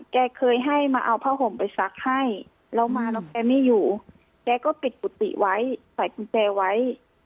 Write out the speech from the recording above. แกเคยให้มาเอาผ้าห่มไปซักให้เรามาแล้วแกไม่อยู่แกก็ปิดกุฏิไว้ใส่กุญแจไว้